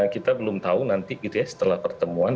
kita belum tahu nanti setelah pertemuan